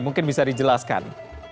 mungkin bisa dijelaskan